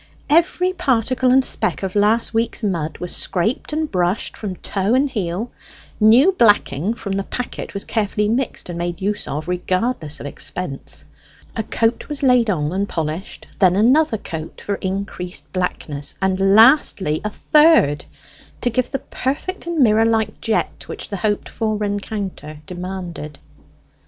Every particle and speck of last week's mud was scraped and brushed from toe and heel; new blacking from the packet was carefully mixed and made use of, regardless of expense. A coat was laid on and polished; then another coat for increased blackness; and lastly a third, to give the perfect and mirror like jet which the hoped for rencounter demanded.